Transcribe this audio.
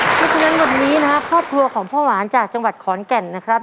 เพราะฉะนั้นวันนี้นะครับครอบครัวของพ่อหวานจากจังหวัดขอนแก่นนะครับ